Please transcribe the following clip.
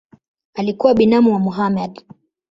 Alikuwa binamu wa Mohamed.